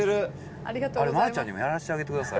あれ、丸ちゃんにもやらせてあげてください。